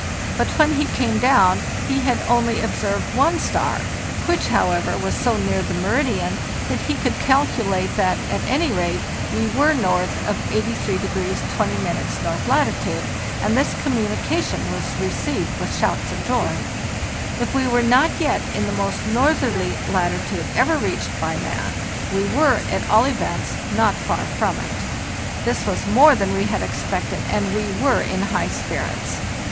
But when he came down he had only observed one star, which, how ever, was so near the meridian that he could calculate that, at any rate, we were north of 83° 20' north latitude, and this communication was received with shouts of joy. If we were not yet in the most northerly latitude ever reached by man, we were, at all events, not far from it. This was more than we had expected, and we were in high spirits.